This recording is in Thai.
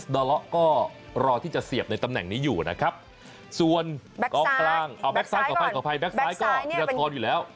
ส่วนกล้องกลางแบ็คซ้ายก่อนแบ็คซ้ายก่อนแบ็คซ้ายก็พิจารณากรอยู่แล้ว